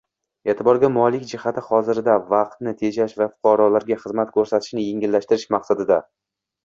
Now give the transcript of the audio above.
E’tiborga molik jihati hozirda vaqtni tejash va fuqarolarga xizmat ko‘rsatishni yengillashtirish maqsadida